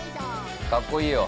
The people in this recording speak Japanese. かっこいいよ。